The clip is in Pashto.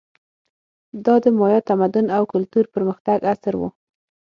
دا د مایا تمدن او کلتور پرمختګ عصر و.